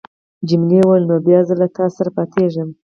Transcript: جميلې وويل: نو بیا زه له تا سره پاتېږم.